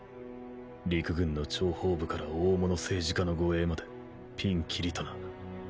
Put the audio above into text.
陸軍の諜報部から大物政治家の護衛までピンきりとな。